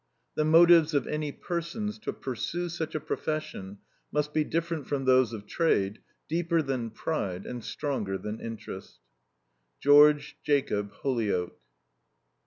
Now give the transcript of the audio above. The motives of any persons to pursue such a profession must be different from those of trade, deeper than pride, and stronger than interest. GEORGE JACOB HOLYOAKE.